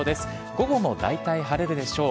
午後もだいたい晴れるでしょう。